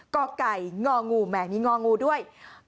กไก่งองูแหมมีงองูด้วย